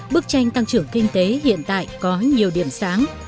bức tranh tăng trưởng kinh tế hiện tại có nhiều điểm sáng